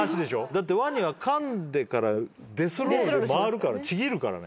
だってワニはかんでからデスロールで回るからちぎるからね。